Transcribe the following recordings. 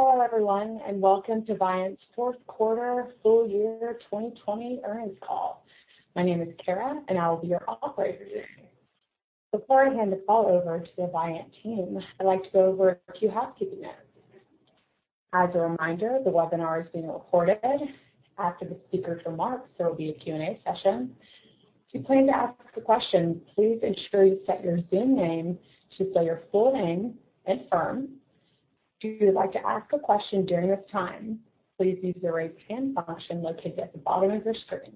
Hello everyone, and welcome to Viant's fourth quarter full year 2020 earnings call. My name is Kara, and I will be your operator. Before I hand the call over to the Viant team, I'd like to go over a few housekeeping notes. As a reminder, the webinar is being recorded. After the speakers' remarks, there will be a Q&A session. If you plan to ask a question, please ensure you set your Zoom name to say your full name and firm. If you would like to ask a question during this time, please use the raise hand function located at the bottom of your screen.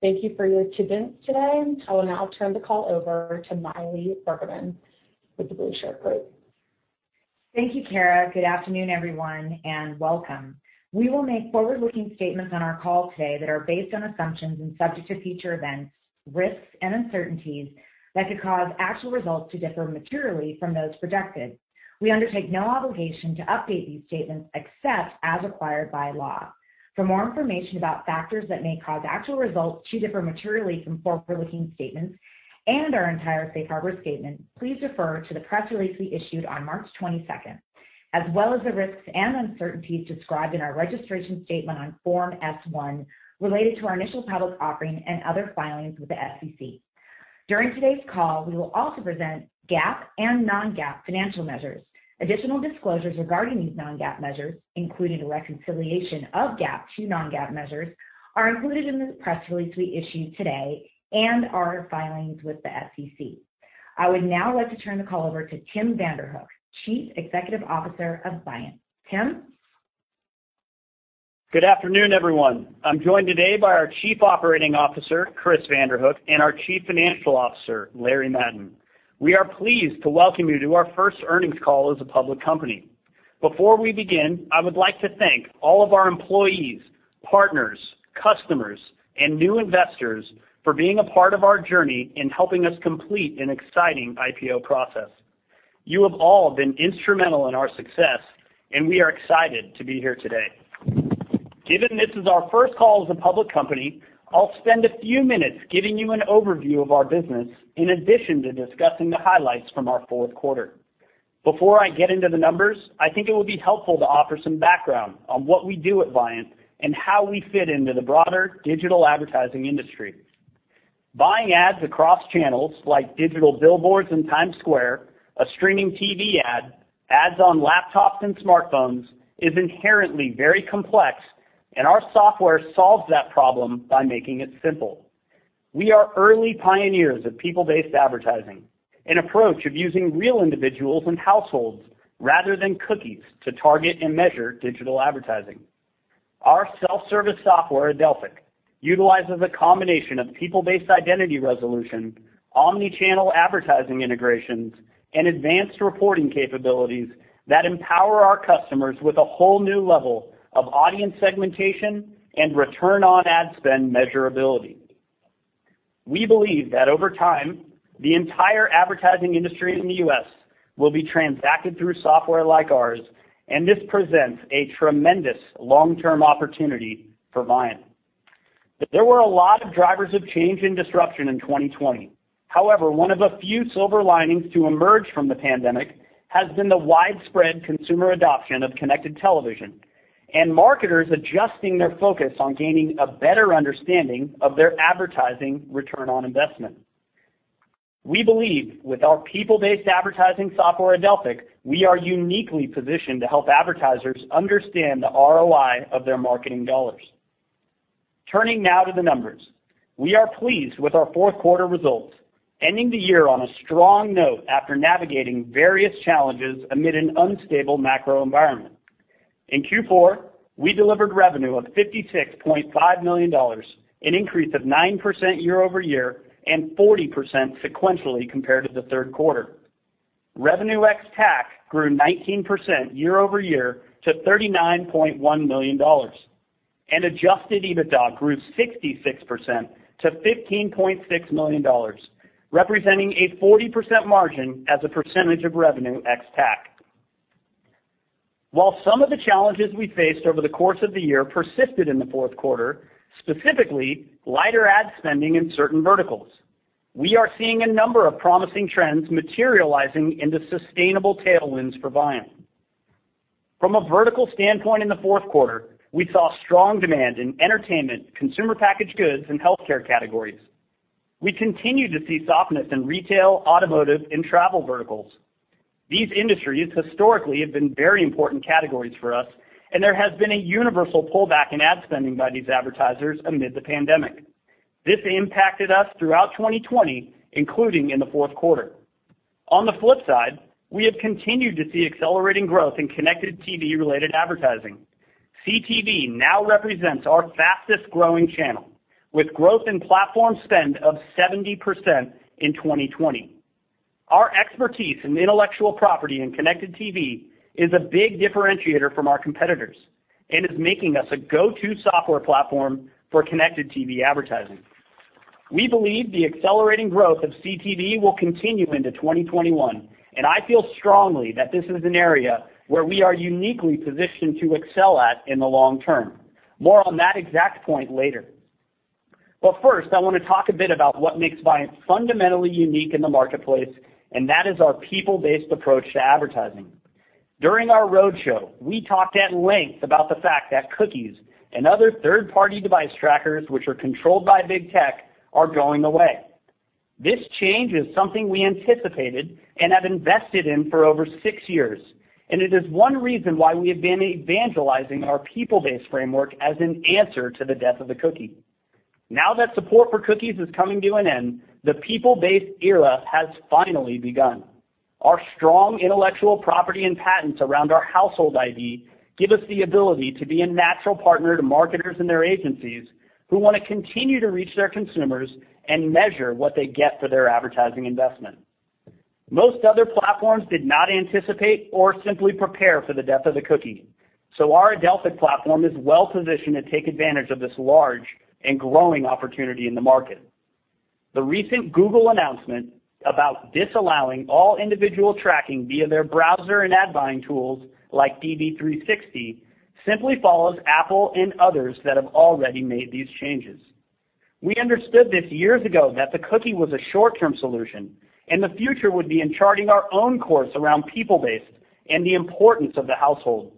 Thank you for your attendance today. I will now turn the call over to Maili Bergman with The Blueshirt Group. Thank you, Kara. Good afternoon, everyone, and welcome. We will make forward-looking statements on our call today that are based on assumptions and subject to future events, risks, and uncertainties that could cause actual results to differ materially from those projected. We undertake no obligation to update these statements except as required by law. For more information about factors that may cause actual results to differ materially from forward-looking statements and our entire safe harbor statement, please refer to the press release we issued on March 22nd, as well as the risks and uncertainties described in our registration statement on Form S-1 related to our initial public offering and other filings with the SEC. During today's call, we will also present GAAP and non-GAAP financial measures. Additional disclosures regarding these non-GAAP measures, including a reconciliation of GAAP to non-GAAP measures, are included in the press release we issued today and our filings with the SEC. I would now like to turn the call over to Tim Vanderhook, Chief Executive Officer of Viant. Tim? Good afternoon, everyone. I'm joined today by our Chief Operating Officer, Chris Vanderhook, and our Chief Financial Officer, Larry Madden. We are pleased to welcome you to our first earnings call as a public company. Before we begin, I would like to thank all of our employees, partners, customers, and new investors for being a part of our journey in helping us complete an exciting IPO process. You have all been instrumental in our success, and we are excited to be here today. Given this is our first call as a public company, I'll spend a few minutes giving you an overview of our business, in addition to discussing the highlights from our fourth quarter. Before I get into the numbers, I think it would be helpful to offer some background on what we do at Viant and how we fit into the broader digital advertising industry. Buying ads across channels like digital billboards in Times Square, a streaming TV ad, ads on laptops and smartphones is inherently very complex, and our software solves that problem by making it simple. We are early pioneers of people-based advertising, an approach of using real individuals and households rather than cookies to target and measure digital advertising. Our self-service software, Adelphic, utilizes a combination of people-based identity resolution, omnichannel advertising integrations, and advanced reporting capabilities that empower our customers with a whole new level of audience segmentation and return on ad spend measurability. We believe that over time, the entire advertising industry in the U.S. will be transacted through software like ours, and this presents a tremendous long-term opportunity for Viant. There were a lot of drivers of change and disruption in 2020. However, one of a few silver linings to emerge from the pandemic has been the widespread consumer adoption of connected television, and marketers adjusting their focus on gaining a better understanding of their advertising return on investment. We believe with our people-based advertising software, Adelphic, we are uniquely positioned to help advertisers understand the ROI of their marketing dollars. Turning now to the numbers. We are pleased with our fourth quarter results, ending the year on a strong note after navigating various challenges amid an unstable macro environment. In Q4, we delivered revenue of $56.5 million, an increase of 9% year-over-year, and 40% sequentially compared to the third quarter. Revenue ex-TAC grew 19% year-over-year to $39.1 million. Adjusted EBITDA grew 66% to $15.6 million, representing a 40% margin as a percentage of Revenue ex-TAC. While some of the challenges we faced over the course of the year persisted in the fourth quarter, specifically lighter ad spending in certain verticals, we are seeing a number of promising trends materializing into sustainable tailwinds for Viant. From a vertical standpoint in the fourth quarter, we saw strong demand in entertainment, consumer packaged goods, and healthcare categories. We continue to see softness in retail, automotive, and travel verticals. These industries historically have been very important categories for us, and there has been a universal pullback in ad spending by these advertisers amid the pandemic. This impacted us throughout 2020, including in the fourth quarter. On the flip side, we have continued to see accelerating growth in Connected TV-related advertising. CTV now represents our fastest-growing channel, with growth in platform spend of 70% in 2020. Our expertise in intellectual property and Connected TV is a big differentiator from our competitors and is making us a go-to software platform for Connected TV advertising. We believe the accelerating growth of CTV will continue into 2021, and I feel strongly that this is an area where we are uniquely positioned to excel at in the long term. More on that exact point later. First, I want to talk a bit about what makes Viant fundamentally unique in the marketplace, and that is our people-based approach to advertising. During our roadshow, we talked at length about the fact that cookies and other third-party device trackers, which are controlled by big tech, are going away. This change is something we anticipated and have invested in for over six years, and it is one reason why we have been evangelizing our people-based framework as an answer to the death of the cookie. Now that support for cookies is coming to an end, the people-based era has finally begun. Our strong intellectual property and patents around our Household ID give us the ability to be a natural partner to marketers and their agencies who want to continue to reach their consumers and measure what they get for their advertising investment. Most other platforms did not anticipate or simply prepare for the death of the cookie, so our Adelphic platform is well-positioned to take advantage of this large and growing opportunity in the market. The recent Google announcement about disallowing all individual tracking via their browser and ad buying tools like DV360 simply follows Apple and others that have already made these changes. We understood this years ago, that the cookie was a short-term solution, and the future would be in charting our own course around people-based and the importance of the household.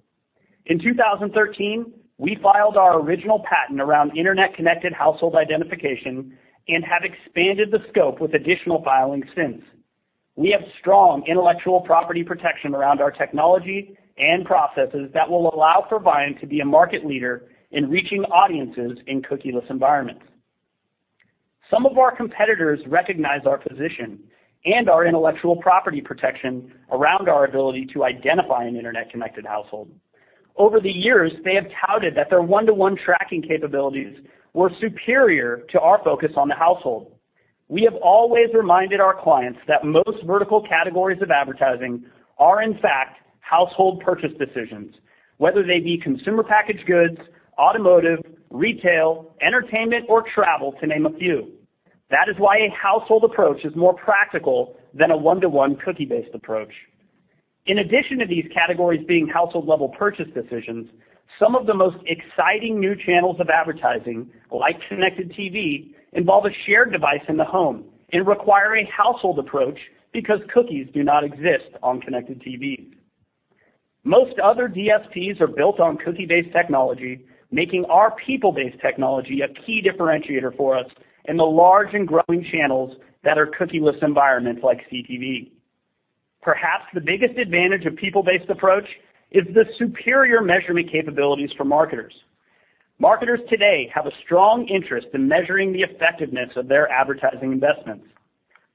In 2013, we filed our original patent around internet-connected household identification and have expanded the scope with additional filings since. We have strong intellectual property protection around our technology and processes that will allow for Viant to be a market leader in reaching audiences in cookieless environments. Some of our competitors recognize our position and our intellectual property protection around our ability to identify an internet-connected household. Over the years, they have touted that their one-to-one tracking capabilities were superior to our focus on the household. We have always reminded our clients that most vertical categories of advertising are, in fact, household purchase decisions, whether they be consumer packaged goods, automotive, retail, entertainment, or travel, to name a few. That is why a household approach is more practical than a one-to-one cookie-based approach. In addition to these categories being household-level purchase decisions, some of the most exciting new channels of advertising, like connected TV, involve a shared device in the home and require a household approach because cookies do not exist on connected TVs. Most other DSPs are built on cookie-based technology, making our people-based technology a key differentiator for us in the large and growing channels that are cookieless environments like CTV. Perhaps the biggest advantage of people-based approach is the superior measurement capabilities for marketers. Marketers today have a strong interest in measuring the effectiveness of their advertising investments.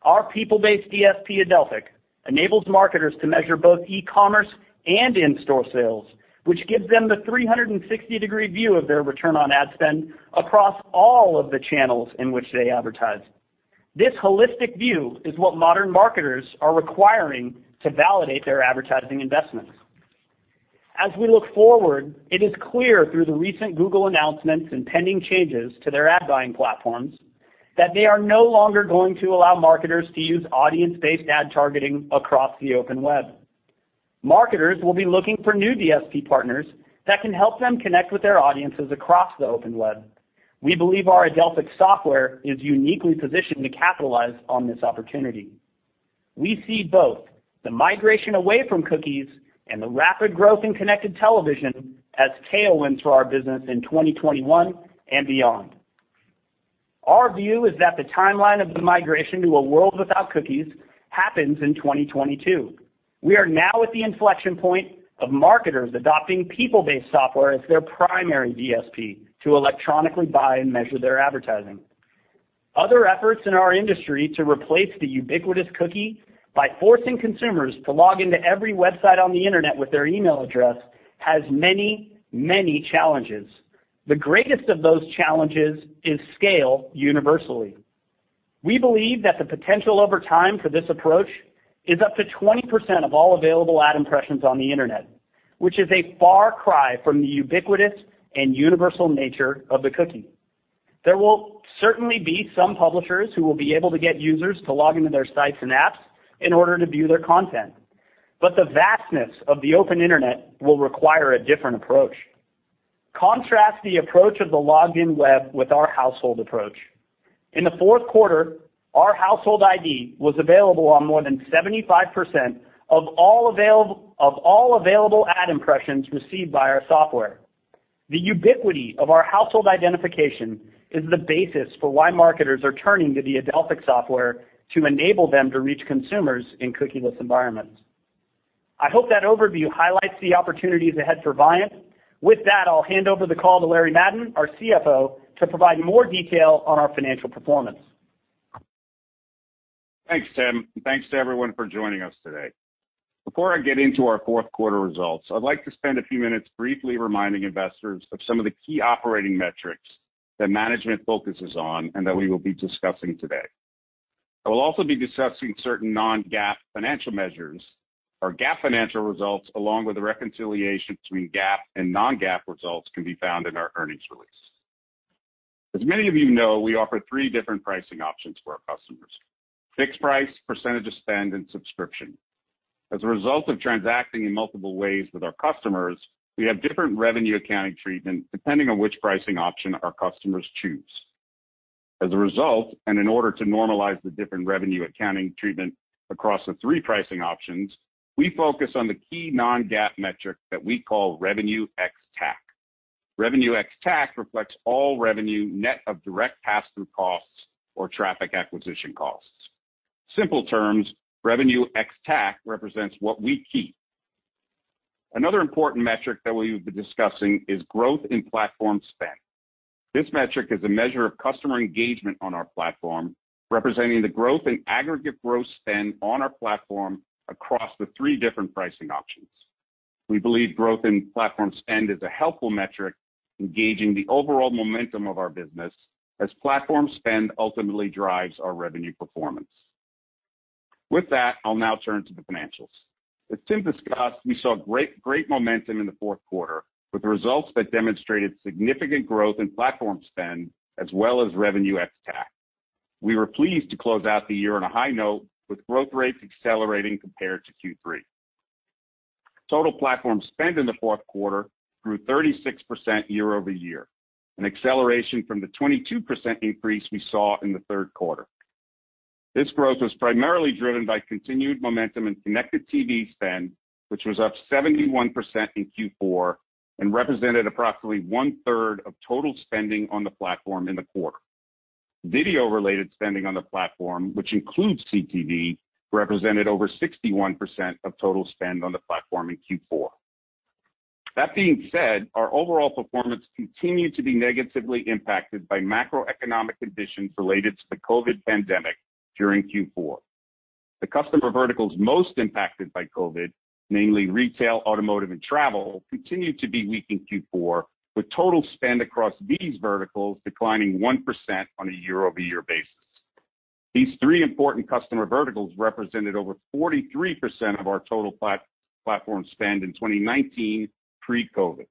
Our people-based DSP, Adelphic, enables marketers to measure both e-commerce and in-store sales, which gives them the 360-degree view of their return on ad spend across all of the channels in which they advertise. This holistic view is what modern marketers are requiring to validate their advertising investments. As we look forward, it is clear through the recent Google announcements and pending changes to their ad buying platforms that they are no longer going to allow marketers to use audience-based ad targeting across the open web. Marketers will be looking for new DSP partners that can help them connect with their audiences across the open web. We believe our Adelphic software is uniquely positioned to capitalize on this opportunity. We see both the migration away from cookies and the rapid growth in connected television as tailwinds for our business in 2021 and beyond. Our view is that the timeline of the migration to a world without cookies happens in 2022. We are now at the inflection point of marketers adopting people-based software as their primary DSP to electronically buy and measure their advertising. Other efforts in our industry to replace the ubiquitous cookie by forcing consumers to log in to every website on the internet with their email address, has many challenges. The greatest of those challenges is scale universally. We believe that the potential over time for this approach is up to 20% of all available ad impressions on the internet, which is a far cry from the ubiquitous and universal nature of the cookie. There will certainly be some publishers who will be able to get users to log in to their sites and apps in order to view their content, but the vastness of the open internet will require a different approach. Contrast the approach of the login web with our household approach. In the fourth quarter, our Household ID was available on more than 75% of all available ad impressions received by our software. The ubiquity of our household identification is the basis for why marketers are turning to the Adelphic software to enable them to reach consumers in cookieless environments. I hope that overview highlights the opportunities ahead for Viant. With that, I'll hand over the call to Larry Madden, our CFO, to provide more detail on our financial performance. Thanks, Tim, and thanks to everyone for joining us today. Before I get into our fourth quarter results, I'd like to spend a few minutes briefly reminding investors of some of the key operating metrics that management focuses on and that we will be discussing today. I will also be discussing certain non-GAAP financial measures. Our GAAP financial results, along with the reconciliation between GAAP and non-GAAP results, can be found in our earnings release. As many of you know, we offer three different pricing options for our customers: fixed price, percentage of spend, and subscription. As a result of transacting in multiple ways with our customers, we have different revenue accounting treatment depending on which pricing option our customers choose. In order to normalize the different revenue accounting treatment across the three pricing options, we focus on the key non-GAAP metric that we call revenue ex-TAC. Revenue ex-TAC reflects all revenue net of direct pass-through costs or traffic acquisition costs. In simple terms, Revenue ex-TAC represents what we keep. Another important metric that we'll be discussing is growth in platform spend. This metric is a measure of customer engagement on our platform, representing the growth in aggregate gross spend on our platform across the three different pricing options. We believe growth in platform spend is a helpful metric in gauging the overall momentum of our business as platform spend ultimately drives our revenue performance. With that, I'll now turn to the financials. As Tim discussed, we saw great momentum in the fourth quarter with results that demonstrated significant growth in platform spend as well as Revenue ex-TAC. We were pleased to close out the year on a high note with growth rates accelerating compared to Q3. Total platform spend in the fourth quarter grew 36% year-over-year, an acceleration from the 22% increase we saw in the third quarter. This growth was primarily driven by continued momentum in connected TV spend, which was up 71% in Q4 and represented approximately one-third of total spending on the platform in the quarter. Video-related spending on the platform, which includes CTV, represented over 61% of total spend on the platform in Q4. That being said, our overall performance continued to be negatively impacted by macroeconomic conditions related to the COVID pandemic during Q4. The customer verticals most impacted by COVID, namely retail, automotive, and travel, continued to be weak in Q4, with total spend across these verticals declining 1% on a year-over-year basis. These three important customer verticals represented over 43% of our total platform spend in 2019 pre-COVID.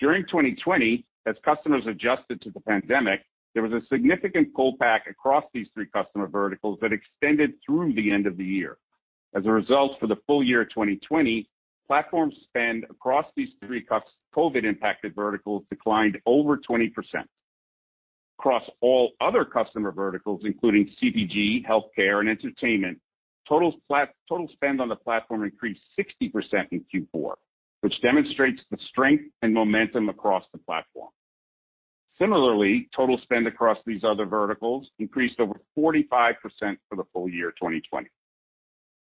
During 2020, as customers adjusted to the pandemic, there was a significant pull back across these three customer verticals that extended through the end of the year. As a result, for the full year 2020, platform spend across these three COVID-impacted verticals declined over 20%. Across all other customer verticals, including CPG, healthcare, and entertainment, total spend on the platform increased 60% in Q4, which demonstrates the strength and momentum across the platform. Similarly, total spend across these other verticals increased over 45% for the full year 2020.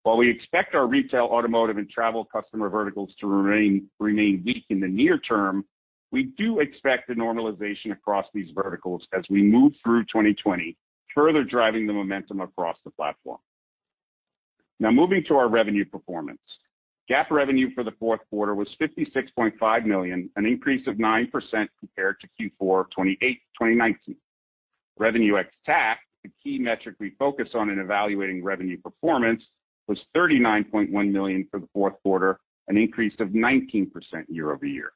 While we expect our retail, automotive, and travel customer verticals to remain weak in the near term, we do expect a normalization across these verticals as we move through 2020, further driving the momentum across the platform. Now, moving to our revenue performance. GAAP revenue for the fourth quarter was $56.5 million, an increase of 9% compared to Q4 2019. Revenue ex-TAC, the key metric we focus on in evaluating revenue performance, was $39.1 million for the fourth quarter, an increase of 19% year-over-year.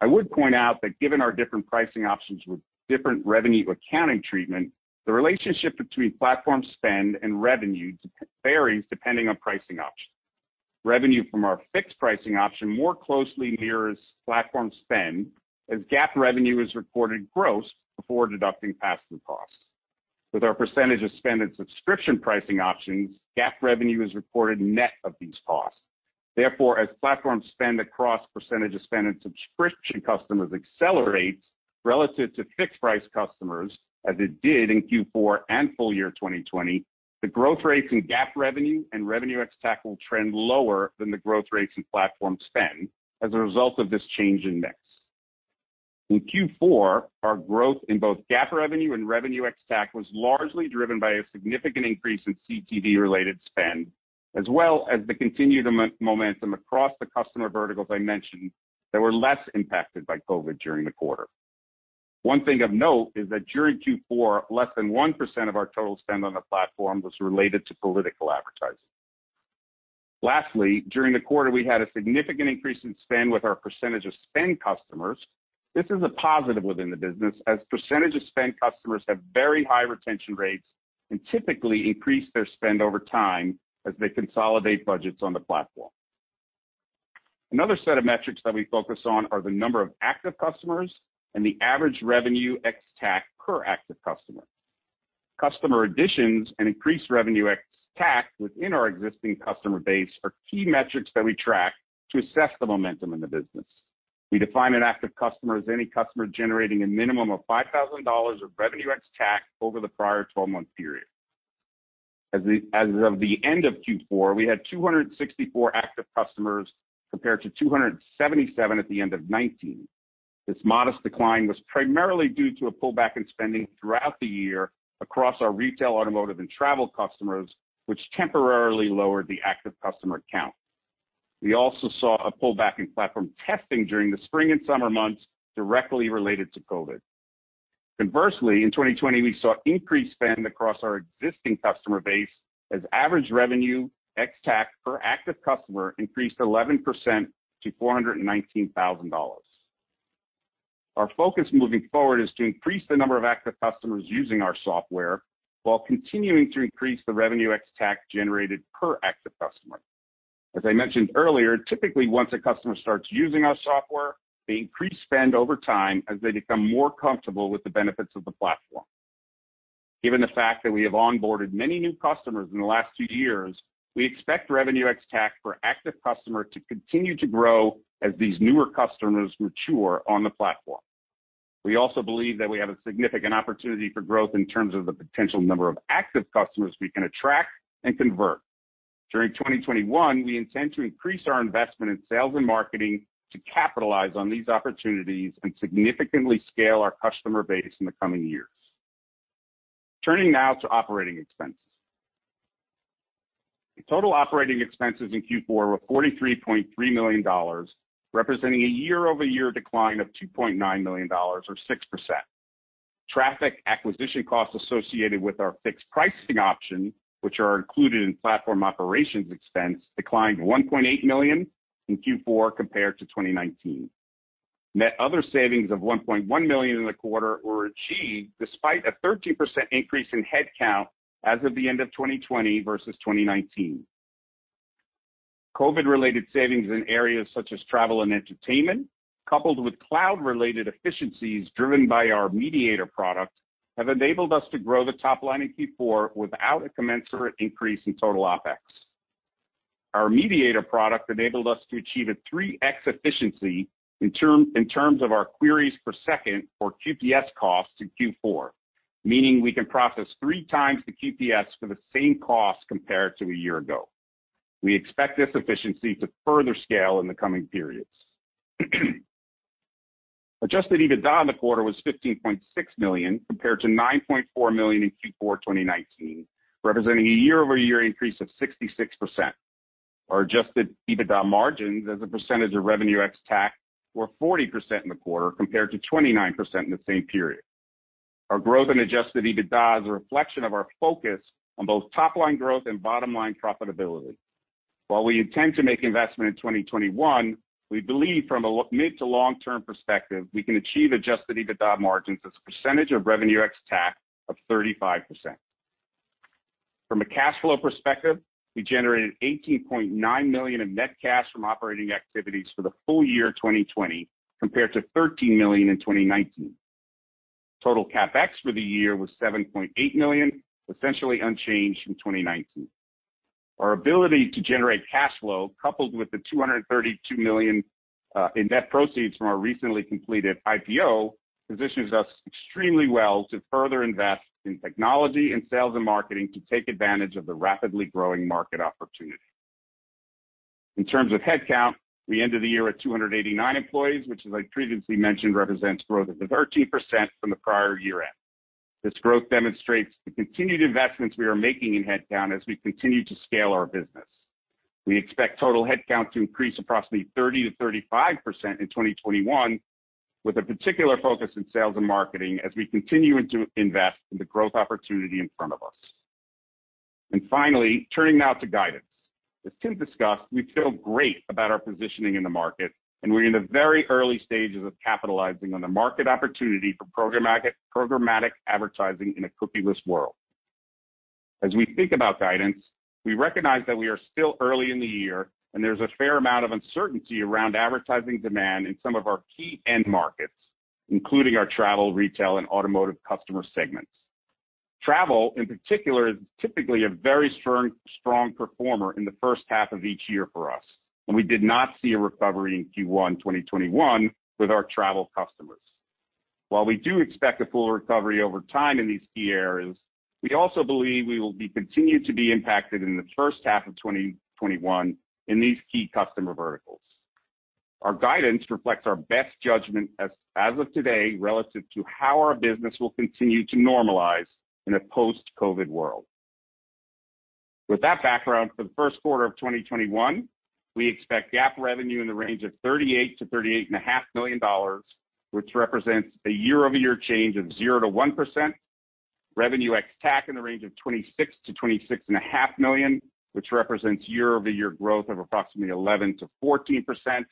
I would point out that given our different pricing options with different revenue accounting treatment, the relationship between platform spend and revenue varies depending on pricing option. Revenue from our fixed pricing option more closely mirrors platform spend, as GAAP revenue is reported gross before deducting pass-through costs. With our percentage of spend and subscription pricing options, GAAP revenue is reported net of these costs. Therefore, as platform spend across percentage of spend and subscription customers accelerates relative to fixed price customers, as it did in Q4 and full year 2020, the growth rates in GAAP revenue and Revenue ex-TAC will trend lower than the growth rates in platform spend as a result of this change in mix. In Q4, our growth in both GAAP revenue and Revenue ex-TAC was largely driven by a significant increase in CTV-related spend, as well as the continued momentum across the customer verticals I mentioned that were less impacted by COVID during the quarter. One thing of note is that during Q4, less than 1% of our total spend on the platform was related to political advertising. Lastly, during the quarter, we had a significant increase in spend with our percentage of spend customers. This is a positive within the business, as percentage of spend customers have very high retention rates and typically increase their spend over time as they consolidate budgets on the platform. Another set of metrics that we focus on are the number of active customers and the average Revenue ex-TAC per active customer. Customer additions and increased Revenue ex-TAC within our existing customer base are key metrics that we track to assess the momentum in the business. We define an active customer as any customer generating a minimum of $5,000 of Revenue ex-TAC over the prior 12-month period. As of the end of Q4, we had 264 active customers, compared to 277 at the end of 2019. This modest decline was primarily due to a pullback in spending throughout the year across our retail, automotive, and travel customers, which temporarily lowered the active customer count. We also saw a pullback in platform testing during the spring and summer months directly related to COVID. Conversely, in 2020, we saw increased spend across our existing customer base as average revenue ex-TAC per active customer increased 11% to $419,000. Our focus moving forward is to increase the number of active customers using our software while continuing to increase the revenue ex-TAC generated per active customer. As I mentioned earlier, typically once a customer starts using our software, they increase spend over time as they become more comfortable with the benefits of the platform. Given the fact that we have onboarded many new customers in the last two years, we expect revenue ex-TAC per active customer to continue to grow as these newer customers mature on the platform. We also believe that we have a significant opportunity for growth in terms of the potential number of active customers we can attract and convert. During 2021, we intend to increase our investment in sales and marketing to capitalize on these opportunities and significantly scale our customer base in the coming years. Turning now to operating expenses. Total operating expenses in Q4 were $43.3 million, representing a year-over-year decline of $2.9 million or 6%. Traffic acquisition costs associated with our fixed pricing option, which are included in platform operations expense, declined to $1.8 million in Q4 compared to 2019. Net other savings of $1.1 million in the quarter were achieved despite a 13% increase in headcount as of the end of 2020 versus 2019. COVID-related savings in areas such as travel and entertainment, coupled with cloud-related efficiencies driven by our Mediator product, have enabled us to grow the top line in Q4 without a commensurate increase in total OpEx. Our Mediator product enabled us to achieve a 3x efficiency in terms of our queries per second or QPS cost in Q4, meaning we can process 3 times the QPS for the same cost compared to a year ago. We expect this efficiency to further scale in the coming periods. Adjusted EBITDA in the quarter was $15.6 million compared to $9.4 million in Q4 2019, representing a year-over-year increase of 66%. Our Adjusted EBITDA margins as a percentage of Revenue ex-TAC were 40% in the quarter compared to 29% in the same period. Our growth in Adjusted EBITDA is a reflection of our focus on both top-line growth and bottom-line profitability. While we intend to make investment in 2021, we believe from a mid- to long-term perspective, we can achieve Adjusted EBITDA margins as a percentage of Revenue ex-TAC of 35%. From a cash flow perspective, we generated $18.9 million in net cash from operating activities for the full year 2020, compared to $13 million in 2019. Total CapEx for the year was $7.8 million, essentially unchanged from 2019. Our ability to generate cash flow, coupled with the $232 million in net proceeds from our recently completed IPO, positions us extremely well to further invest in technology and sales and marketing to take advantage of the rapidly growing market opportunity. In terms of headcount, we ended the year at 289 employees, which as I previously mentioned, represents growth of 13% from the prior year end. This growth demonstrates the continued investments we are making in headcount as we continue to scale our business. We expect total headcount to increase approximately 30% to 35% in 2021, with a particular focus in sales and marketing as we continue to invest in the growth opportunity in front of us. Finally, turning now to guidance. Tim discussed, we feel great about our positioning in the market, we're in the very early stages of capitalizing on the market opportunity for programmatic advertising in a cookieless world. We think about guidance, we recognize that we are still early in the year, there's a fair amount of uncertainty around advertising demand in some of our key end markets, including our travel, retail, and automotive customer segments. Travel, in particular, is typically a very strong performer in the first half of each year for us, we did not see a recovery in Q1 2021 with our travel customers. While we do expect a full recovery over time in these key areas, we also believe we will continue to be impacted in the first half of 2021 in these key customer verticals. Our guidance reflects our best judgment as of today relative to how our business will continue to normalize in a post-COVID world. With that background, for the first quarter of 2021, we expect GAAP revenue in the range of $38 million-$38.5 million, which represents a year-over-year change of 0%-1%, revenue ex-TAC in the range of $26 million-$26.5 million, which represents year-over-year growth of approximately 11%-14%,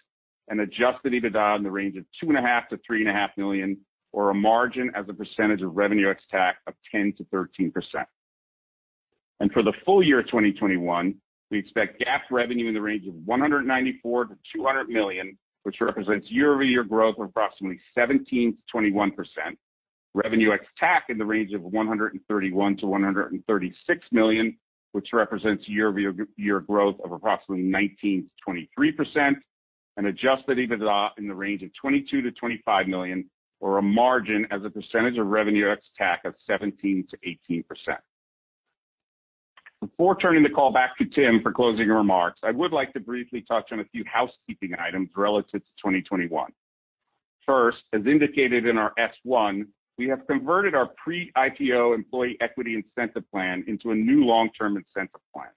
and Adjusted EBITDA in the range of $2.5 million-$3.5 million, or a margin as a percentage of revenue ex-TAC of 10%-13%. For the full year 2021, we expect GAAP revenue in the range of $194 million-$200 million, which represents year-over-year growth of approximately 17%-21%, revenue ex-TAC in the range of $131 million-$136 million, which represents year-over-year growth of approximately 19%-23%, and Adjusted EBITDA in the range of $22 million-$25 million, or a margin as a percentage of revenue ex-TAC of 17%-18%. Before turning the call back to Tim for closing remarks, I would like to briefly touch on a few housekeeping items relative to 2021. First, as indicated in our S-1, we have converted our pre-IPO employee equity incentive plan into a new long-term incentive plan.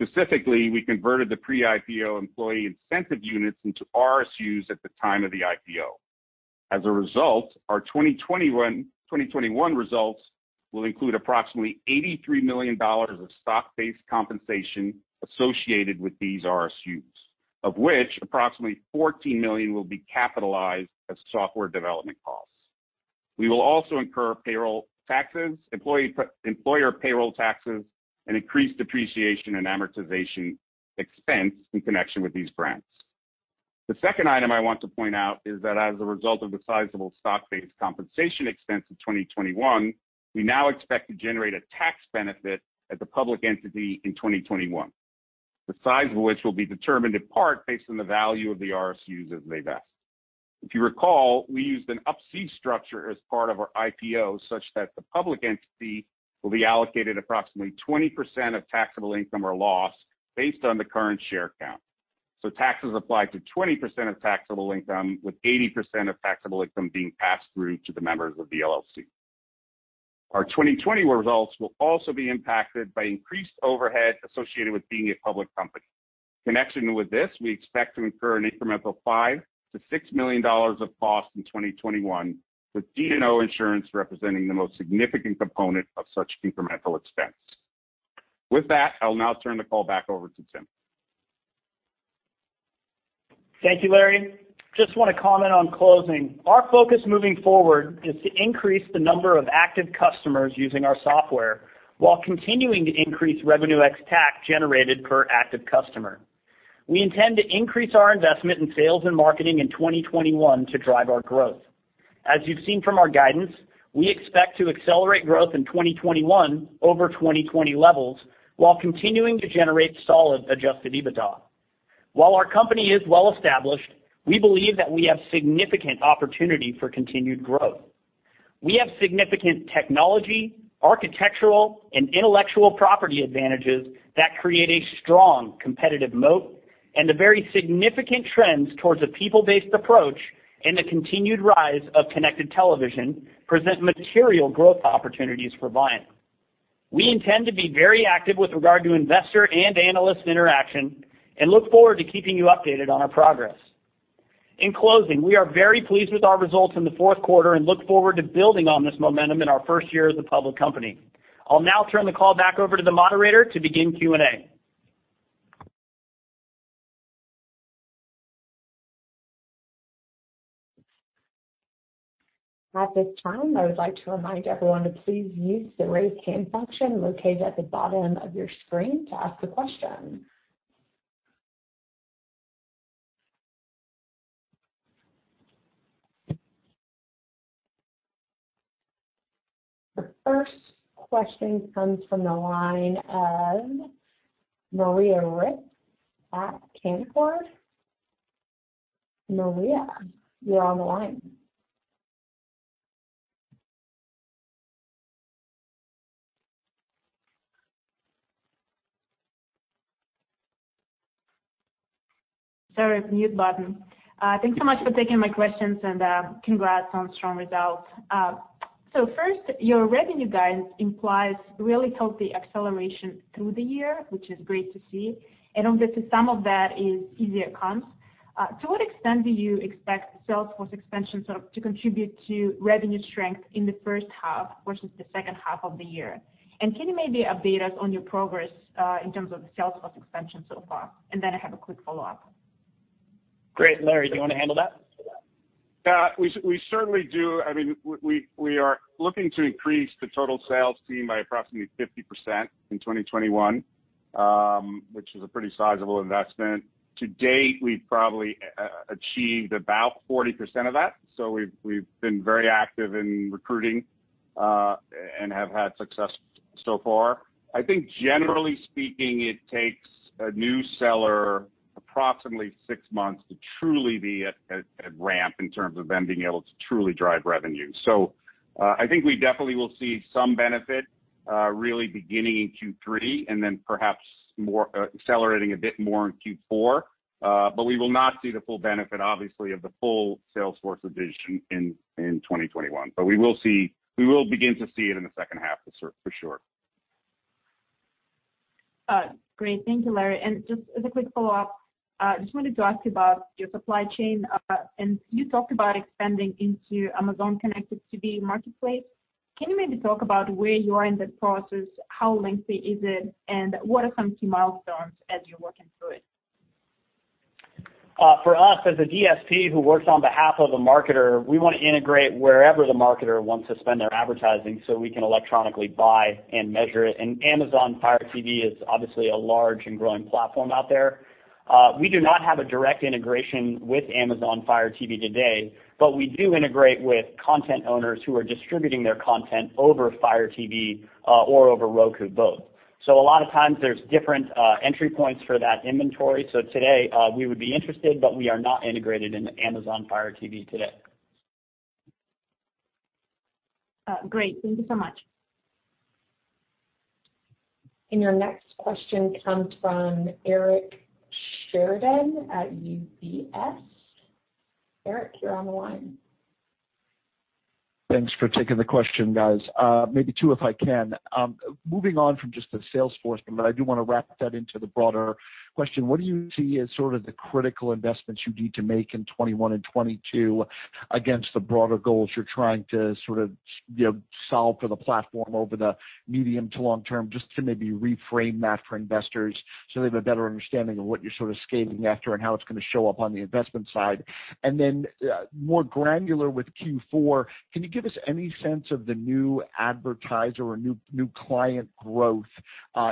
Specifically, we converted the pre-IPO employee incentive units into RSUs at the time of the IPO. As a result, our 2021 results will include approximately $83 million of stock-based compensation associated with these RSUs, of which approximately $14 million will be capitalized as software development costs. We will also incur payroll taxes, employer payroll taxes, and increased depreciation and amortization expense in connection with these grants. The second item I want to point out is that as a result of the sizable stock-based compensation expense in 2021, we now expect to generate a tax benefit as a public entity in 2021. The size of which will be determined in part based on the value of the RSUs as they vest. If you recall, we used an Up-C structure as part of our IPO, such that the public entity will be allocated approximately 20% of taxable income or loss based on the current share count. Taxes apply to 20% of taxable income, with 80% of taxable income being passed through to the members of the LLC. Our 2020 results will also be impacted by increased overhead associated with being a public company. In connection with this, we expect to incur an incremental $5 million-$6 million of cost in 2021, with D&O insurance representing the most significant component of such incremental expense. With that, I'll now turn the call back over to Tim. Thank you, Larry. Just want to comment on closing. Our focus moving forward is to increase the number of active customers using our software while continuing to increase Revenue ex-TAC generated per active customer. We intend to increase our investment in sales and marketing in 2021 to drive our growth. As you've seen from our guidance, we expect to accelerate growth in 2021 over 2020 levels while continuing to generate solid Adjusted EBITDA. While our company is well-established, we believe that we have significant opportunity for continued growth. We have significant technology, architectural, and intellectual property advantages that create a strong competitive moat, and the very significant trends towards a people-based approach and the continued rise of Connected Television present material growth opportunities for Viant. We intend to be very active with regard to investor and analyst interaction and look forward to keeping you updated on our progress. In closing, we are very pleased with our results in the fourth quarter and look forward to building on this momentum in our first year as a public company. I'll now turn the call back over to the moderator to begin Q&A. At this time, I would like to remind everyone to please use the raise hand function located at the bottom of your screen to ask a question. The first question comes from the line of Maria Ripps at Canaccord. Maria, you're on the line. Sorry, mute button. Thanks so much for taking my questions. Congrats on strong results. First, your revenue guidance implies really healthy acceleration through the year, which is great to see, and obviously some of that is easier comps. To what extent do you expect sales force expansion to contribute to revenue strength in the first half versus the second half of the year? Can you maybe update us on your progress in terms of sales force expansion so far? Then I have a quick follow-up. Great. Larry, do you want to handle that? Yeah, we certainly do. We are looking to increase the total sales team by approximately 50% in 2021, which is a pretty sizable investment. To date, we've probably achieved about 40% of that. We've been very active in recruiting, and have had success so far. I think generally speaking, it takes a new seller approximately six months to truly be at ramp in terms of them being able to truly drive revenue. I think we definitely will see some benefit really beginning in Q3 and then perhaps accelerating a bit more in Q4. We will not see the full benefit, obviously, of the full sales force addition in 2021. We will begin to see it in the second half, for sure. Great. Thank you, Larry. Just as a quick follow-up, I just wanted to ask you about your supply chain. You talked about expanding into Amazon Connected TV Marketplace. Can you maybe talk about where you are in that process? How lengthy is it, and what are some key milestones as you're working through it? For us, as a DSP who works on behalf of a marketer, we want to integrate wherever the marketer wants to spend their advertising so we can electronically buy and measure it. Amazon Fire TV is obviously a large and growing platform out there. We do not have a direct integration with Amazon Fire TV today, but we do integrate with content owners who are distributing their content over Fire TV, or over Roku both. A lot of times there's different entry points for that inventory. Today, we would be interested, but we are not integrated into Amazon Fire TV today. Great. Thank you so much. Your next question comes from Eric Sheridan at UBS. Eric, you're on the line. Thanks for taking the question, guys. Maybe two, if I can. Moving on from just the sales force thing, but I do want to wrap that into the broader question. What do you see as sort of the critical investments you need to make in 2021 and 2022 against the broader goals you're trying to solve for the platform over the medium to long term, just to maybe reframe that for investors so they have a better understanding of what you're scaling after and how it's going to show up on the investment side? Then more granular with Q4, can you give us any sense of the new advertiser or new client growth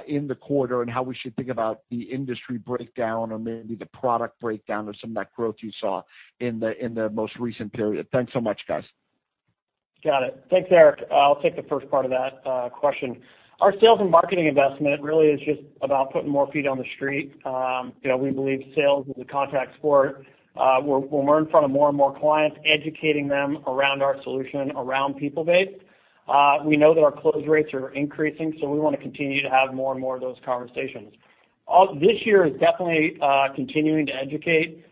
in the quarter, and how we should think about the industry breakdown or maybe the product breakdown of some of that growth you saw in the most recent period? Thanks so much, guys. Got it. Thanks, Eric. I'll take the first part of that question. Our sales and marketing investment really is just about putting more feet on the street. We believe sales is a contact sport. We're in front of more and more clients, educating them around our solution, around people-based. We know that our close rates are increasing, so we want to continue to have more and more of those conversations. This year is definitely continuing to educate.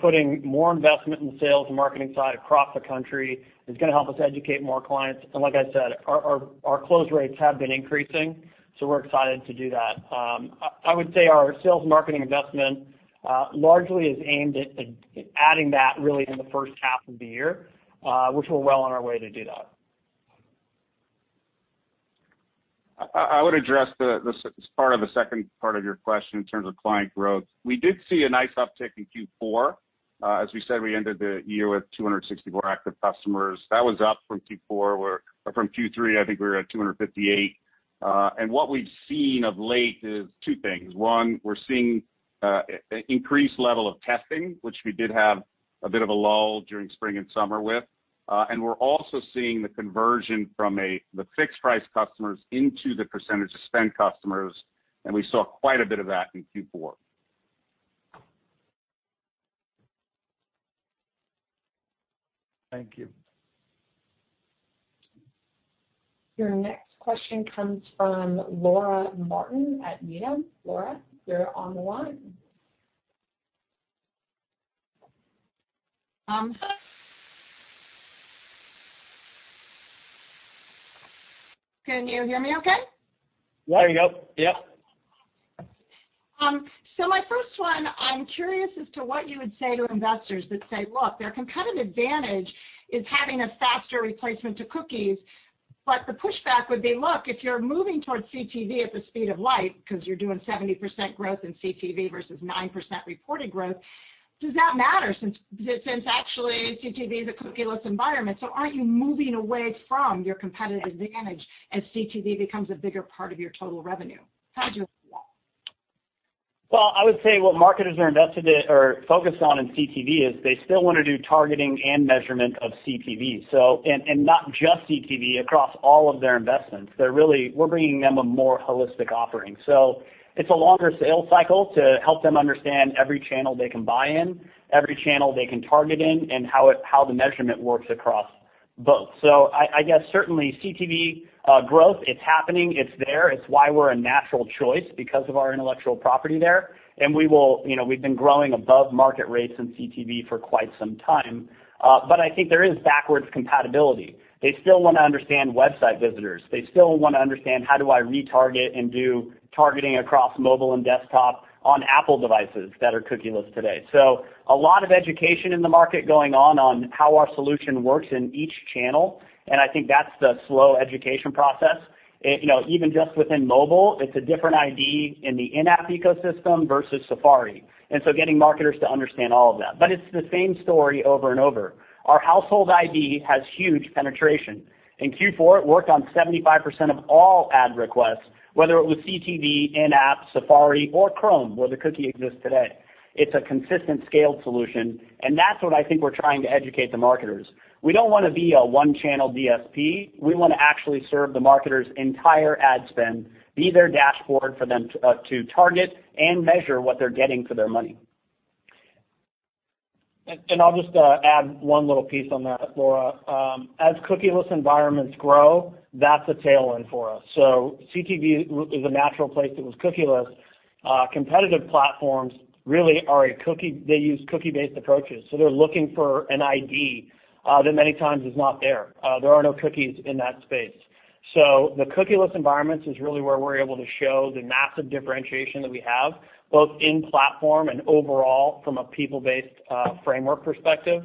Putting more investment in the sales and marketing side across the country is going to help us educate more clients. Like I said, our close rates have been increasing, so we're excited to do that. I would say our sales marketing investment largely is aimed at adding that really in the first half of the year, which we're well on our way to do that. I would address the part of the second part of your question in terms of client growth. We did see a nice uptick in Q4. As we said, we ended the year with 264 active customers. That was up from Q3, I think we were at 258. What we've seen of late is two things. One, we're seeing increased level of testing, which we did have a bit of a lull during spring and summer with. We're also seeing the conversion from the fixed price customers into the percentage-of-spend customers, and we saw quite a bit of that in Q4. Thank you. Your next question comes from Laura Martin at Needham. Laura, you're on the line. Can you hear me okay? There you go. Yep. My first one, I'm curious as to what you would say to investors that say, look, their competitive advantage is having a faster replacement to cookies, but the pushback would be, look, if you're moving towards CTV at the speed of light because you're doing 70% growth in CTV versus 9% reported growth, does that matter since actually CTV is a cookieless environment? Aren't you moving away from your competitive advantage as CTV becomes a bigger part of your total revenue? How do you that? I would say what marketers are focused on in CTV is they still want to do targeting and measurement of CTV. Not just CTV, across all of their investments. We're bringing them a more holistic offering. It's a longer sales cycle to help them understand every channel they can buy in, every channel they can target in, and how the measurement works across both. I guess certainly CTV growth, it's happening, it's there. It's why we're a natural choice because of our intellectual property there. We've been growing above market rates in CTV for quite some time. I think there is backwards compatibility. They still want to understand website visitors. They still want to understand, how do I retarget and do targeting across mobile and desktop on Apple devices that are cookieless today? A lot of education in the market going on how our solution works in each channel, and I think that's the slow education process. Even just within mobile, it's a different ID in the in-app ecosystem versus Safari, getting marketers to understand all of that. It's the same story over and over. Our Household ID has huge penetration. In Q4, it worked on 75% of all ad requests, whether it was CTV, in-app, Safari, or Chrome, where the cookie exists today. It's a consistent scaled solution, and that's what I think we're trying to educate the marketers. We don't want to be a one-channel DSP. We want to actually serve the marketer's entire ad spend, be their dashboard for them to target and measure what they're getting for their money. I'll just add one little piece on that, Laura. As cookieless environments grow, that's a tailwind for us. CTV is a natural place that was cookieless. Competitive platforms really use cookie-based approaches, so they're looking for an ID that many times is not there. There are no cookies in that space. The cookieless environments is really where we're able to show the massive differentiation that we have, both in platform and overall from a people-based framework perspective.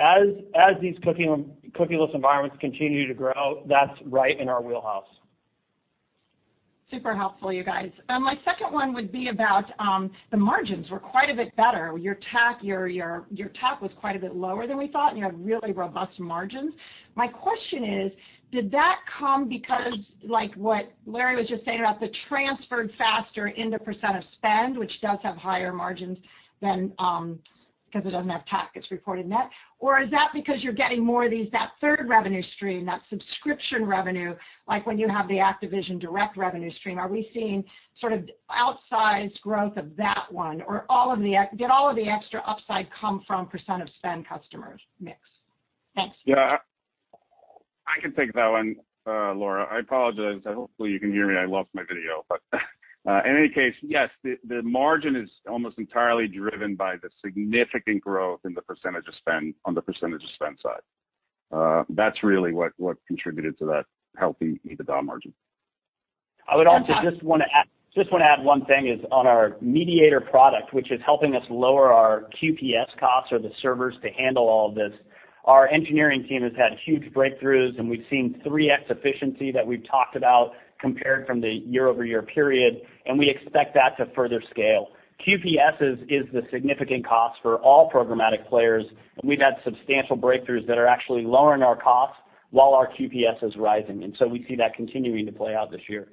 As these cookieless environments continue to grow, that's right in our wheelhouse. Super helpful, you guys. My second one would be about the margins were quite a bit better. Your TAC was quite a bit lower than we thought, and you had really robust margins. My question is, did that come because like what Larry was just saying about the transferred faster into percent of spend, which does have higher margins because it doesn't have TAC, it's reported net, or is that because you're getting more of that third revenue stream, that subscription revenue, like when you have the Activision direct revenue stream? Are we seeing sort of outsized growth of that one, or did all of the extra upside come from percent of spend customers mix? Thanks. I can take that one, Laura. I apologize. Hopefully, you can hear me. I lost my video. In any case, yes, the margin is almost entirely driven by the significant growth on the percentage of spend side. That's really what contributed to that healthy EBITDA margin. I would also just want to add one thing is on our Mediator product, which is helping us lower our QPS costs or the servers to handle all of this. Our engineering team has had huge breakthroughs, and we've seen 3x efficiency that we've talked about compared from the year-over-year period, and we expect that to further scale. QPS is the significant cost for all programmatic players, and we've had substantial breakthroughs that are actually lowering our costs while our QPS is rising, and so we see that continuing to play out this year.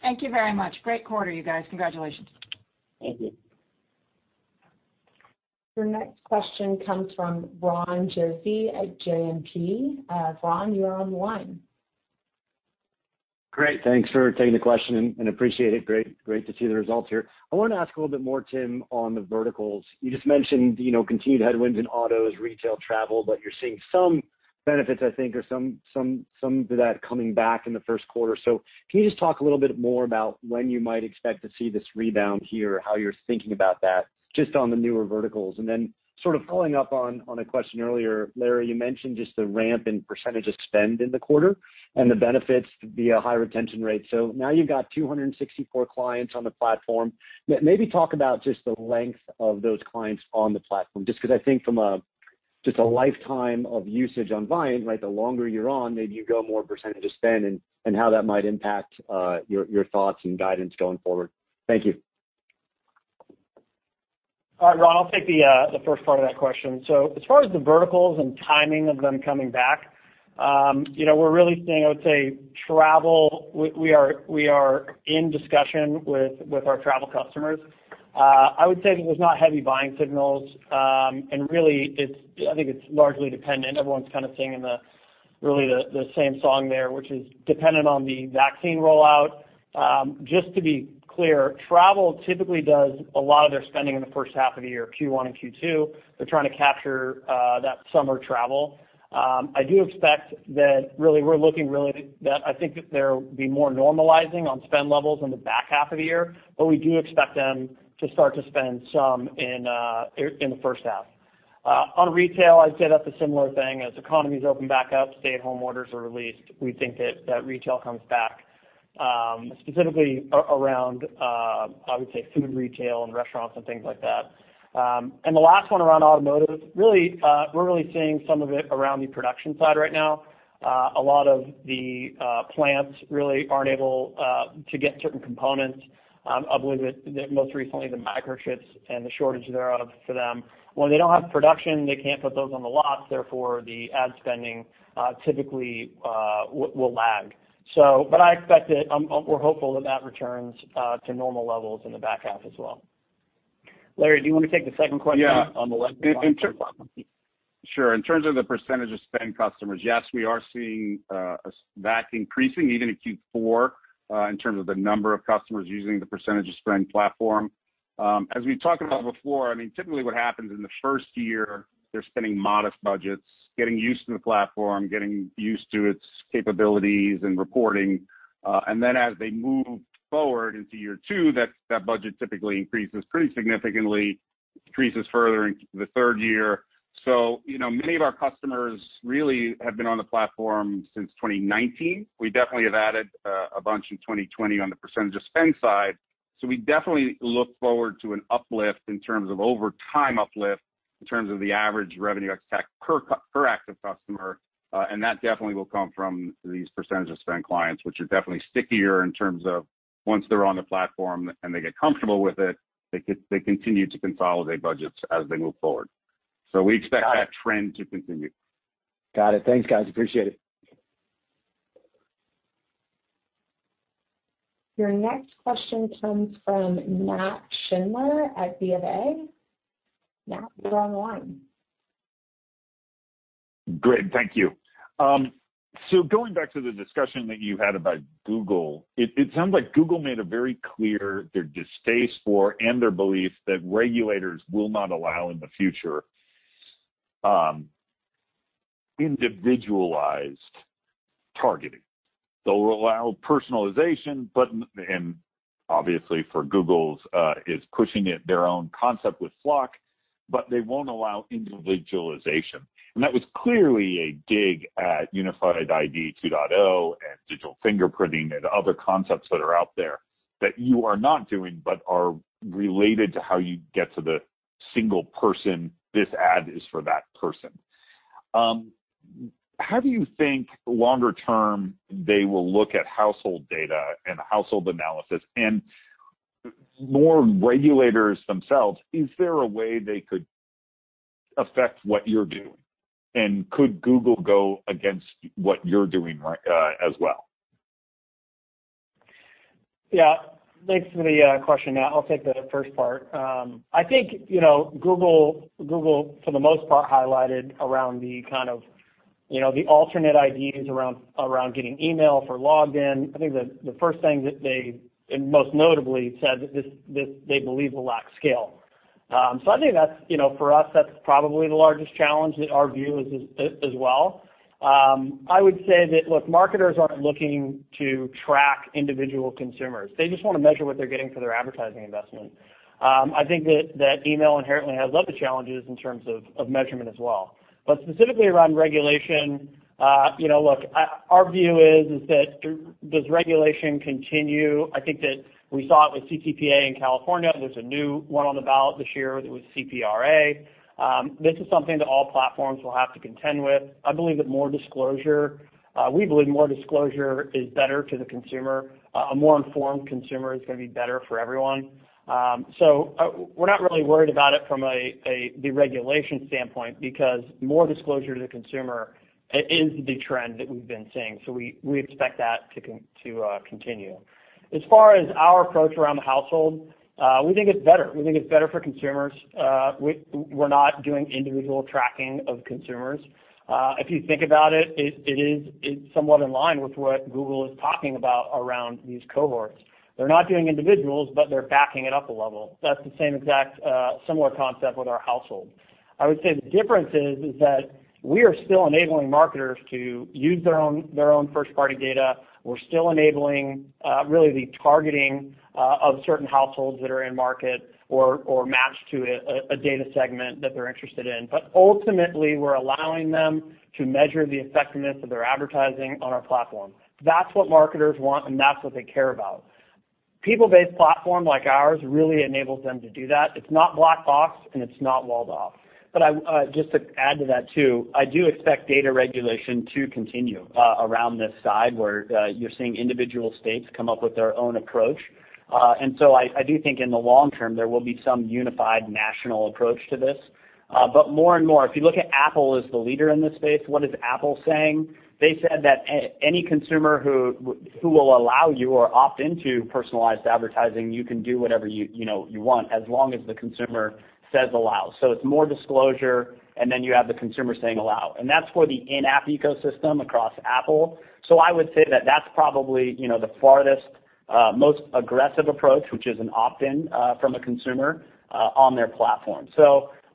Thank you very much. Great quarter, you guys. Congratulations. Thank you. Your next question comes from Ron Josey at JMP. Ron, you're on the line. Great. Thanks for taking the question and appreciate it. Great to see the results here. I want to ask a little bit more, Tim, on the verticals. You just mentioned continued headwinds in autos, retail, travel, but you're seeing some benefits, I think, or some of that coming back in the first quarter. Can you just talk a little bit more about when you might expect to see this rebound here, how you're thinking about that just on the newer verticals? Following up on a question earlier, Larry, you mentioned just the ramp in percentage of spend in the quarter and the benefits via high retention rates. Now you've got 264 clients on the platform. Maybe talk about just the length of those clients on the platform, just because I think from just a lifetime of usage on Viant, the longer you're on, maybe you go more percentage of spend and how that might impact your thoughts and guidance going forward. Thank you. All right, Ron, I'll take the first part of that question. As far as the verticals and timing of them coming back, we're really seeing, I would say, travel. We are in discussion with our travel customers. I would say there's not heavy buying signals, really, I think it's largely dependent. Everyone's kind of singing really the same song there, which is dependent on the vaccine rollout. Just to be clear, travel typically does a lot of their spending in the first half of the year, Q1 and Q2. They're trying to capture that summer travel. I do expect that really we're looking really that I think that there will be more normalizing on spend levels in the back half of the year, we do expect them to start to spend some in the first half. On retail, I'd say that's a similar thing. As economies open back up, stay-at-home orders are released, we think that retail comes back, specifically around, I would say, food retail and restaurants and things like that. The last one around automotive, we're really seeing some of it around the production side right now. A lot of the plants really aren't able to get certain components. I believe that most recently, the microchips and the shortage thereof for them. When they don't have production, they can't put those on the lot, therefore, the ad spending typically will lag. We're hopeful that that returns to normal levels in the back half as well. Larry, do you want to take the second question on the length of clients on the platform? Sure. In terms of the percentage-of-spend customers, yes, we are seeing that increasing even in Q4 in terms of the number of customers using the percentage-of-spend platform. As we've talked about before, typically what happens in the first year, they're spending modest budgets, getting used to the platform, getting used to its capabilities and reporting. As they move forward into year two, that budget typically increases pretty significantly, increases further into the third year. Many of our customers really have been on the platform since 2019. We definitely have added a bunch in 2020 on the percentage-of-spend side. We definitely look forward to an uplift in terms of over time uplift in terms of the average revenue impact per active customer. That definitely will come from these percentage-of-spend clients, which are definitely stickier in terms of once they're on the platform and they get comfortable with it, they continue to consolidate budgets as they move forward. We expect that trend to continue. Got it. Thanks, guys. Appreciate it. Your next question comes from Nat Schindler at BofA. Nat, you're on the line. Great. Thank you. Going back to the discussion that you had about Google, it sounds like Google made it very clear their distaste for and their belief that regulators will not allow in the future individualized targeting. They'll allow personalization, and obviously Google is pushing their own concept with FLoC, but they won't allow individualization. That was clearly a dig at Unified ID 2.0 and digital fingerprinting and other concepts that are out there that you are not doing but are related to how you get to the single person, this ad is for that person. How do you think longer term they will look at household data and household analysis and more regulators themselves, is there a way they could affect what you're doing? Could Google go against what you're doing as well? Yeah. Thanks for the question, Nat. I'll take the first part. I think Google, for the most part, highlighted around the kind of alternate IDs around getting email for login. I think the first thing that they most notably said that they believe will lack scale. I think for us, that's probably the largest challenge, our view as well. I would say that, look, marketers aren't looking to track individual consumers. They just want to measure what they're getting for their advertising investment. I think that email inherently has other challenges in terms of measurement as well. Specifically around regulation, look, our view is that does regulation continue? I think that we saw it with CCPA in California. There's a new one on the ballot this year. That was CPRA. This is something that all platforms will have to contend with. We believe more disclosure is better to the consumer. A more informed consumer is going to be better for everyone. We're not really worried about it from the regulation standpoint, because more disclosure to the consumer is the trend that we've been seeing. We expect that to continue. As far as our approach around the household, we think it's better. We think it's better for consumers. We're not doing individual tracking of consumers. If you think about it's somewhat in line with what Google is talking about around these cohorts. They're not doing individuals, they're backing it up a level. That's the same exact similar concept with our Household. I would say the difference is that we are still enabling marketers to use their own first-party data. We're still enabling really the targeting of certain households that are in market or matched to a data segment that they're interested in. Ultimately, we're allowing them to measure the effectiveness of their advertising on our platform. That's what marketers want, and that's what they care about. People-based platform like ours really enables them to do that. It's not blocked off, and it's not walled off. Just to add to that, too, I do expect data regulation to continue around this side where you're seeing individual states come up with their own approach. I do think in the long term, there will be some unified national approach to this. More and more, if you look at Apple as the leader in this space, what is Apple saying? They said that any consumer who will allow you or opt into personalized advertising, you can do whatever you want as long as the consumer says allow. It's more disclosure, and then you have the consumer saying allow. That's for the in-app ecosystem across Apple. I would say that that's probably the farthest, most aggressive approach, which is an opt-in from a consumer on their platform.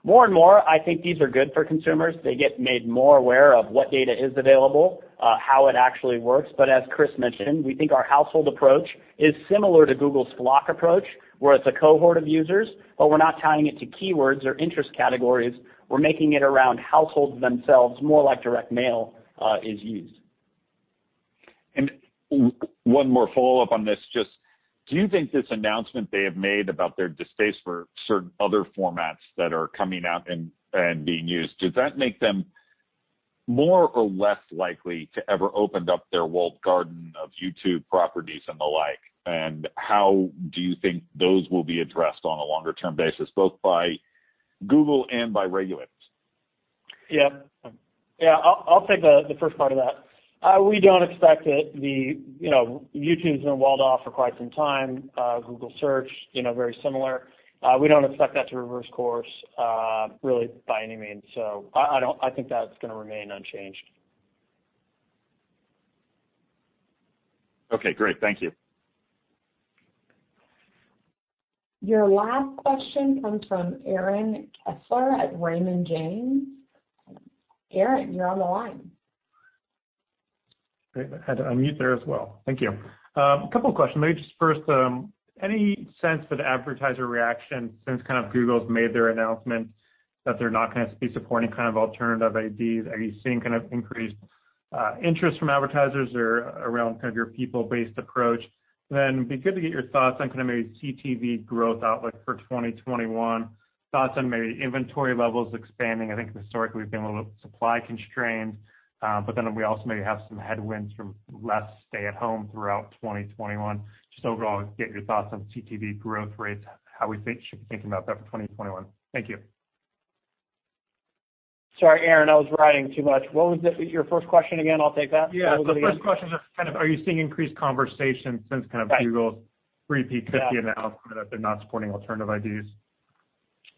More and more, I think these are good for consumers. They get made more aware of what data is available, how it actually works. As Chris mentioned, we think our household approach is similar to Google's FLoC approach, where it's a cohort of users, but we're not tying it to keywords or interest categories. We're making it around households themselves, more like direct mail is used. One more follow-up on this, just do you think this announcement they have made about their distaste for certain other formats that are coming out and being used, does that make them more or less likely to ever open up their walled garden of YouTube properties and the like? How do you think those will be addressed on a longer-term basis, both by Google and by regulators? Yeah. I'll take the first part of that. We don't expect it. YouTube's been walled off for quite some time. Google Search, very similar. We don't expect that to reverse course really by any means. I think that's going to remain unchanged. Okay, great. Thank you. Your last question comes from Aaron Kessler at Raymond James. Aaron, you're on the line. Great. Had to unmute there as well. Thank you. A couple questions. Maybe just first, any sense for the advertiser reaction since kind of Google's made their announcement that they're not going to be supporting kind of alternative IDs? Are you seeing kind of increased interest from advertisers or around kind of your people-based approach? Be good to get your thoughts on kind of maybe CTV growth outlook for 2021, thoughts on maybe inventory levels expanding. I think historically we've been a little supply constrained, but then we also maybe have some headwinds from less stay at home throughout 2021. Just overall get your thoughts on CTV growth rates, how we should be thinking about that for 2021. Thank you. Sorry, Aaron, I was writing too much. What was your first question again? I'll take that. What was it again? Yeah. The first question is just kind of are you seeing increased conversation since kind of Google's. Right. 3PCD announcement that they're not supporting alternative IDs?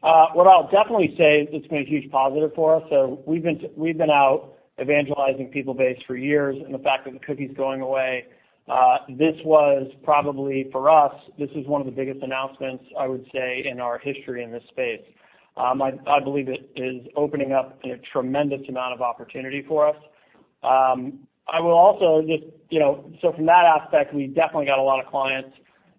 What I'll definitely say is it's been a huge positive for us. We've been out evangelizing people-based for years. The fact that the cookie's going away, probably for us, this is one of the biggest announcements, I would say, in our history in this space. I believe it is opening up a tremendous amount of opportunity for us. From that aspect, we've definitely got a lot of clients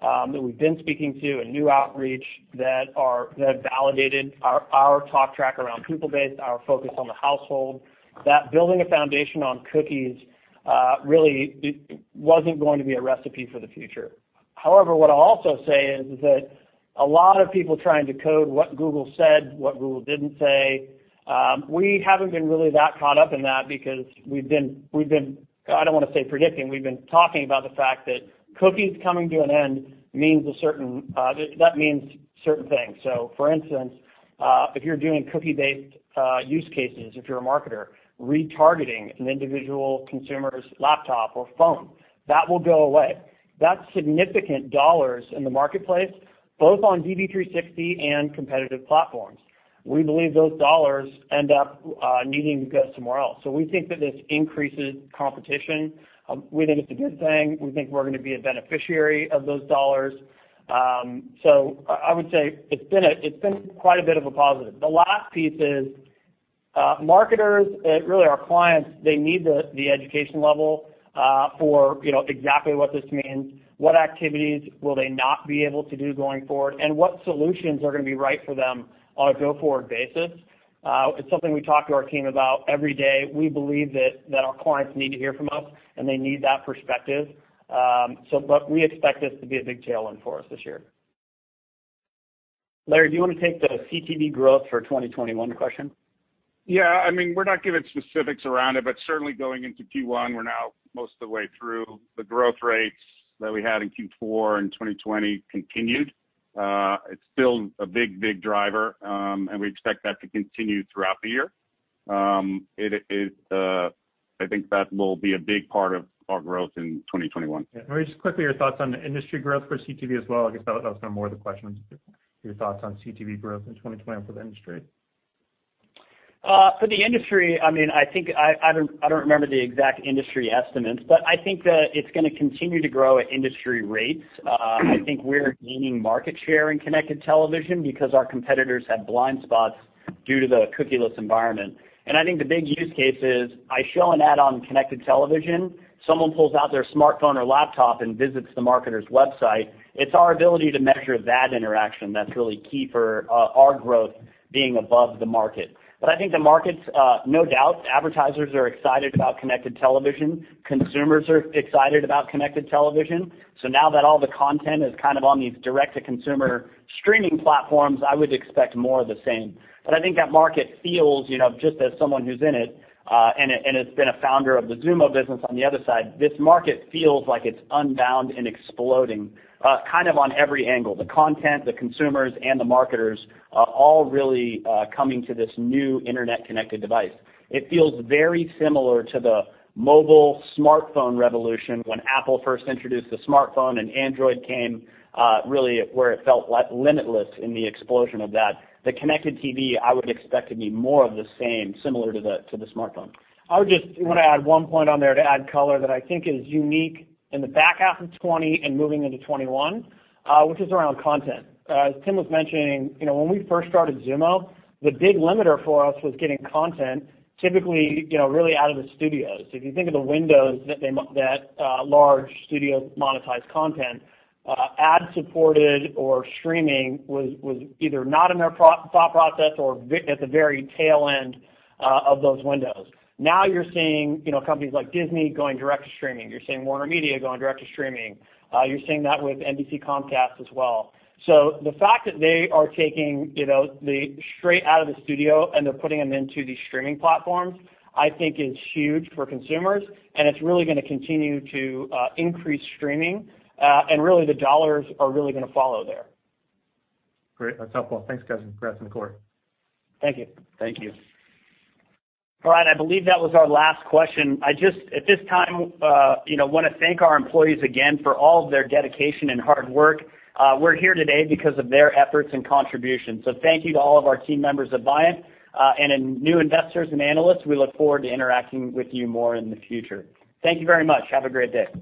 that we've been speaking to and new outreach that have validated our talk track around people-based, our focus on the household. That building a foundation on cookies really wasn't going to be a recipe for the future. However, what I'll also say is that a lot of people trying to code what Google said, what Google didn't say. We haven't been really that caught up in that because we've been, I don't want to say predicting, we've been talking about the fact that cookies coming to an end, that means certain things. For instance, if you're doing cookie-based use cases, if you're a marketer retargeting an individual consumer's laptop or phone, that will go away. That's significant dollars in the marketplace, both on DV360 and competitive platforms. We believe those dollars end up needing to go somewhere else. We think that this increases competition. We think it's a good thing. We think we're going to be a beneficiary of those dollars. I would say it's been quite a bit of a positive. The last piece is, marketers, really our clients, they need the education level for exactly what this means, what activities will they not be able to do going forward, and what solutions are going to be right for them on a go-forward basis. It's something we talk to our team about every day. We believe that our clients need to hear from us, and they need that perspective. We expect this to be a big tailwind for us this year. Larry, do you want to take the CTV growth for 2021 question? Yeah, we're not giving specifics around it, but certainly going into Q1, we're now most of the way through the growth rates that we had in Q4 in 2020 continued. It's still a big driver, and we expect that to continue throughout the year. I think that will be a big part of our growth in 2021. Yeah. Just quickly, your thoughts on the industry growth for CTV as well. I guess that was kind of more of the question, was your thoughts on CTV growth in 2021 for the industry. For the industry, I don't remember the exact industry estimates, I think that it's going to continue to grow at industry rates. I think we're gaining market share in Connected TV because our competitors had blind spots due to the cookieless environment. I think the big use case is I show an ad on Connected TV, someone pulls out their smartphone or laptop and visits the marketer's website. It's our ability to measure that interaction that's really key for our growth being above the market. I think the market's, no doubt, advertisers are excited about Connected TV. Consumers are excited about Connected TV. Now that all the content is kind of on these direct-to-consumer streaming platforms, I would expect more of the same. I think that market feels, just as someone who's in it, and has been a founder of the Xumo business on the other side, this market feels like it's unbound and exploding, kind of on every angle. The content, the consumers, and the marketers are all really coming to this new internet-connected device. It feels very similar to the mobile smartphone revolution when Apple first introduced the smartphone and Android came, really where it felt limitless in the explosion of that. The connected TV, I would expect to be more of the same, similar to the smartphone. I would just want to add one point on there to add color that I think is unique in the back half of 2020 and moving into 2021, which is around content. As Tim was mentioning, when we first started Xumo, the big limiter for us was getting content typically, really out of the studios. If you think of the windows that large studios monetize content, ad-supported or streaming was either not in their thought process or at the very tail end of those windows. Now you're seeing companies like Disney going direct to streaming. You're seeing WarnerMedia going direct to streaming. You're seeing that with NBC [context] as well. The fact that they are taking the straight out of the studio and they're putting them into these streaming platforms, I think is huge for consumers, and it's really going to continue to increase streaming. Really the dollars are really going to follow there. Great. That's helpful. Thanks, guys and congrats on the quarter. Thank you. Thank you. All right, I believe that was our last question. I just, at this time, want to thank our employees again for all of their dedication and hard work. We are here today because of their efforts and contributions. Thank you to all of our team members at Viant. New investors and analysts, we look forward to interacting with you more in the future. Thank you very much. Have a great day.